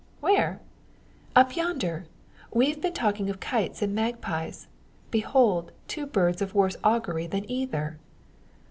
where?" "Up yonder! We've been talking of kites and magpies. Behold, two birds of worse augury than either!"